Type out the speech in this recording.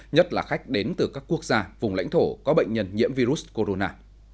nhất là khách đến từ các quốc gia vùng lãnh thổ có bệnh nhân nhiễm virus corona